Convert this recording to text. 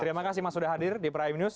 terima kasih mas sudah hadir di prime news